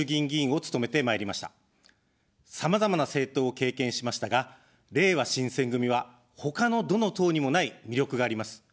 さまざまな政党を経験しましたが、れいわ新選組は、他のどの党にもない魅力があります。